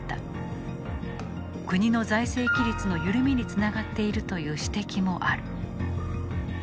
国の財政規律の緩みにつながっているという指摘もある。